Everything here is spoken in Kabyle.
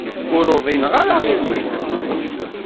Ur uḍineɣ ara aɣilif.